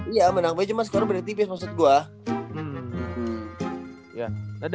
iya menang pj mas scorenya beda tipis maksud gue